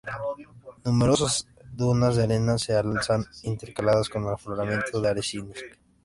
Numerosas dunas de arena se alzan, intercaladas con afloramientos de arenisca.